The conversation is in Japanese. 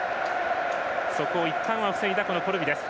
そこをいったんは防いだコルビ。